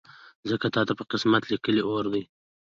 ځکه تاته په قسمت لیکلی اور دی